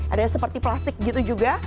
ada seperti plastik gitu juga